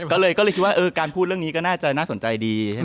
ก็เลยคิดว่าการพูดเรื่องนี้ก็น่าจะน่าสนใจดีใช่ไหม